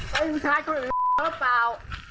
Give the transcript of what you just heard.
เป็นผู้ชายคนเด็กแล้วหรือเปล่า